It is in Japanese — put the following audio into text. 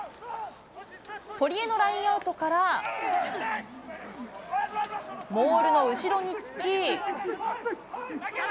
堀江のラインアウトから、モールの後ろにつき。